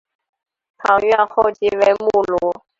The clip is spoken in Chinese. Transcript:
堂院后即为墓庐。